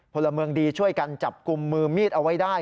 พลเมืองดีช่วยกันจับกลุ่มมือมีดเอาไว้ได้